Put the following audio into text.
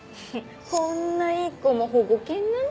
こんないい子も保護犬なんて。